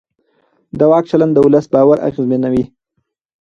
د واک چلند د ولس باور اغېزمنوي